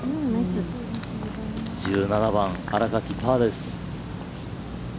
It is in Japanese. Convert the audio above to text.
１７番、新垣、パーです。